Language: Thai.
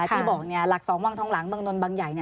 ที่บอกเนี่ยหลักสวทลเบนบย